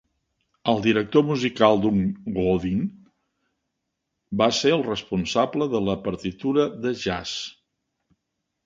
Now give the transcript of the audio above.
El director musical Doug Goodwin va ser el responsable de la partitura de jazz.